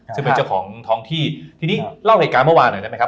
ซึ่งเป็นเจ้าของท้องที่ทีนี้เล่าเหตุการณ์เมื่อวานหน่อยได้ไหมครับ